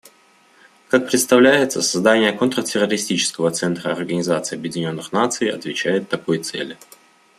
Как представляется, создание Контртеррористического центра Организации Объединенных Наций отвечает такой цели.